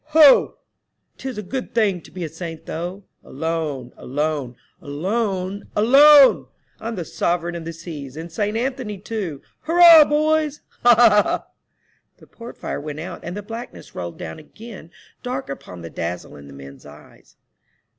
Ho! 'tis a good thing to be a saint, though! Alone, alone — alone, alone ! I'm the Sovereign of the Seas, and Saint Anthony too. Hurrah, boys. Ha ! ha ! ha!" The port fire went out, and the blackness rolled down again dark upon the dazzle in the men's eyes.